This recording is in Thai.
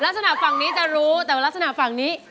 ราศนาฝั่งนี้จะรู้แต่ว่าราศนาฝั่งนี้